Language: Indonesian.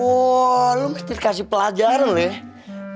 wah lo mesti dikasih pelajaran lo ya